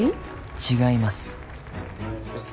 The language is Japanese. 違います